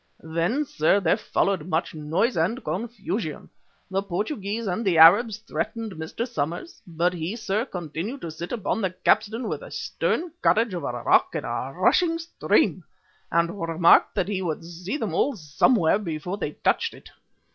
"Then, sir, there followed much noise and confusion. The Portugee and the Arabs threatened Mr. Somers, but he, sir, continued to sit upon the capstan with the stern courage of a rock in a rushing stream, and remarked that he would see them all somewhere before they touched it.